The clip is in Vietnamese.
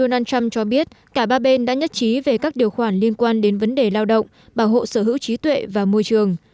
ông trump cho biết cả ba bên đã nhất trí về các điều khoản liên quan đến vấn đề lao động bảo hộ sở hữu trí tuệ và môi trường